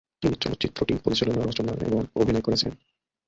তিনি চলচ্চিত্রটি পরিচালনা, রচনা এবং অভিনয় করেছেন।